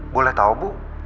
boleh tau bu